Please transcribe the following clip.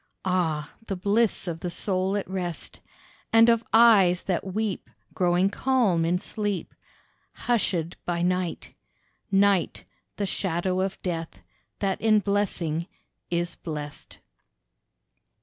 Ah! the bliss of the soul at rest, And of eyes that weep growing calm in sleep, Hushéd by night: Night, the shadow of death, that in blessing is blessed.